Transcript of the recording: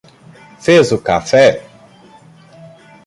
Fez o café?